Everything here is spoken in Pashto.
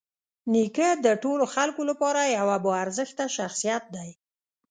نیکه د ټولو خلکو لپاره یوه باارزښته شخصیت دی.